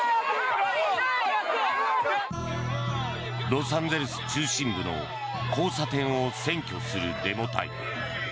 ロサンゼルス中心部の交差点を占拠するデモ隊。